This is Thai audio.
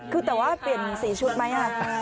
คือแต่ว่าเปลี่ยน๔ชุดไหม